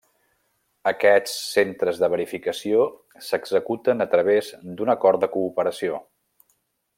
Aquests centres de verificació s'executen a través d'un acord de cooperació.